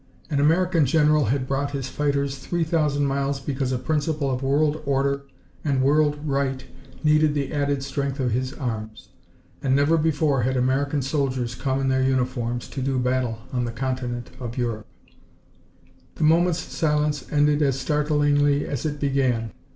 An American general had brought his fighters three thousand miles because a principle of world order and world right needed the added strength of his arms. And never before had American soldiers come in their uniforms to do battle on the continent of Europe. The moment's silence ended as startlingly as it began.